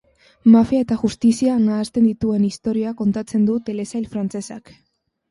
Mafia eta justizia nahasten dituen istorioa kontatzen du telesail frantsesak.